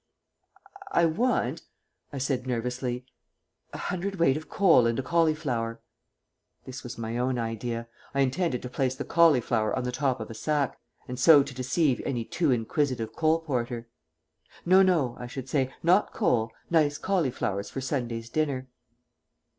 "I want," I said nervously, "a hundredweight of coal and a cauliflower." This was my own idea. I intended to place the cauliflower on the top of a sack, and so to deceive any too inquisitive coal porter. "No, no," I should say, "not coal; nice cauliflowers for Sunday's dinner."